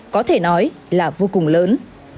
có thể nói là vô cùng lớn